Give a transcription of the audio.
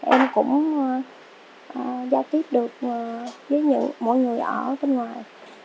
em cũng giao tiếp được với mọi người ở trên ngoài